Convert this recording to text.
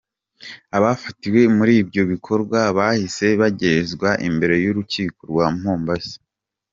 Abafatiwe muri ibyo bikorwa bahise bagejezwa imbere y’urukiko rwa Mombasa.